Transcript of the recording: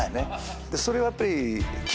それはやっぱり。